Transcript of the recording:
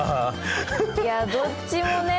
いやどっちもね